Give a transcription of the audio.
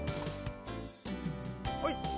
はい。